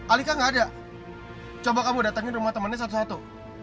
alika gak ada coba kamu datangin rumah temannya satu satu